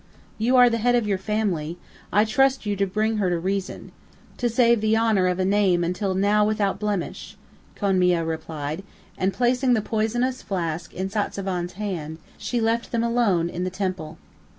"You are the head of your family; I trust to you to bring her to reason to save the honor of a name until now without blemish," Konmia replied, and placing the poisonous flask in Satzavan's hand, she left them alone in the temple.